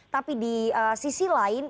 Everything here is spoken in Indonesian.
tapi di sisi lain